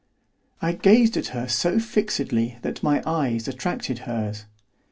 I gazed at her so fixedly that my eyes attracted hers.